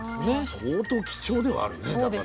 相当貴重ではあるよねだから。